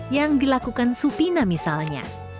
yang dilakukan supina misalnya